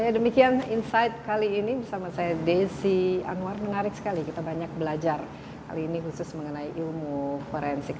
ya demikian insight kali ini bersama saya desi anwar menarik sekali kita banyak belajar kali ini khusus mengenai ilmu forensik